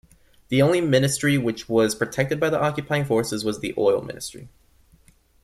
The only ministry which was protected by the occupying forces was the oil ministry.